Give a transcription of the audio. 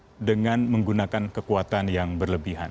dengan menggunakan kekuatan yang berlebihan